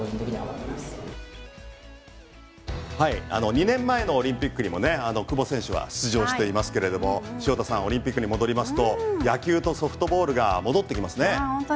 ２年前のオリンピックにもね久保選手は出場してますが潮田さんオリンピックに戻りますと野球とソフトボールが戻ってきますね。